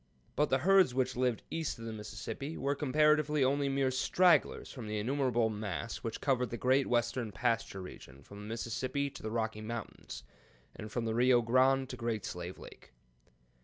But the herds which lived east of the Mississippi were comparatively only mere stragglers from the innumerable mass which covered the great western pasture region from the Mississippi to the Rocky Mountains, and from the Rio Grande to Great Slave Lake.